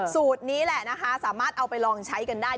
สูตรนี้แหละนะคะสามารถเอาไปลองใช้กันได้